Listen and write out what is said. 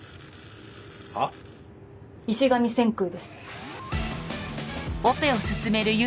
は？石神千空です。